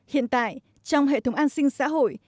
hiện tại trong hệ thống an sinh xã hội